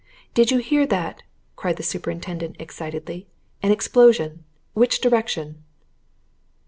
"Did you hear that?" cried the superintendent excitedly. "An explosion! Which direction?"